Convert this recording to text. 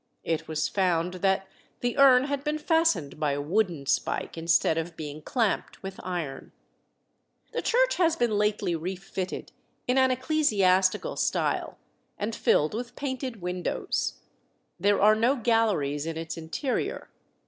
It was found that the urn had been fastened by a wooden spike, instead of being clamped with iron. The church has been lately refitted in an ecclesiastical style, and filled with painted windows. There are no galleries in its interior.